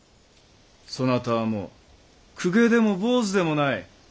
そなたはもう公家でも坊主でもない。